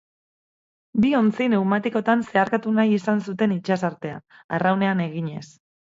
Bi ontzi pneumatikotan zeharkatu nahi zuten itsasartea, arraunean eginez.